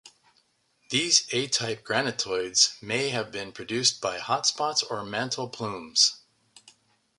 These "A-type" granitoids may have been produced by hotspots or mantle plumes.